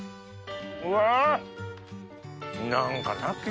うわ！